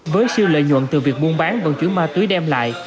với siêu lợi nhuận từ việc buôn bán bằng chuỗi ma túy đem lại